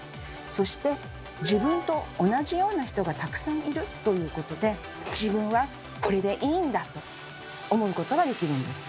そして自分と同じような人がたくさんいるということで「自分はこれでいいんだ！」と思うことができるんです。